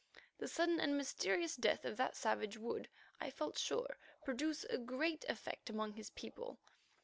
The sudden and mysterious death of that savage would, I felt sure, produce a great effect among his people.